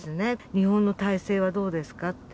日本の態勢はどうですかって。